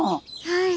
はい。